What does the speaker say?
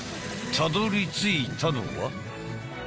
たどりついたのは。